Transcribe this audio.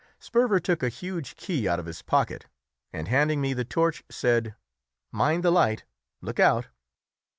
Sperver took a huge key out of his pocket, and handing me the torch, said "Mind the light look out!"